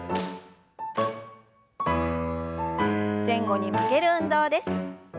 前後に曲げる運動です。